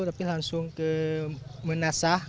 tapi langsung ke menasah